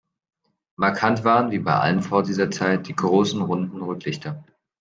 Markant waren, wie bei allen Ford dieser Zeit, die großen, runden Rücklichter.